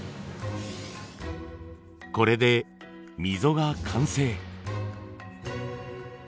これで溝が完成。